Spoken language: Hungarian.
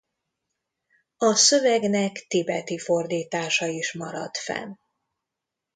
A szövegnek tibeti fordítása is maradt fenn.